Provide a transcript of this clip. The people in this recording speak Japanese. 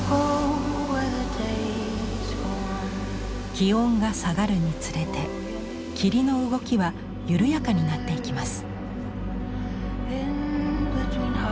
気温が下がるにつれて霧の動きは緩やかになっていきます。